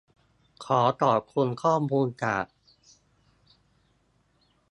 ขอขอบคุณข้อมูลจาก